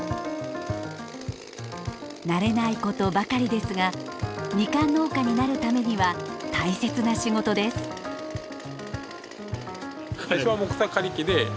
慣れないことばかりですがみかん農家になるためには大切な仕事です。